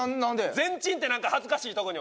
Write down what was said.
「ゼンチン」ってなんか恥ずかしいとこに。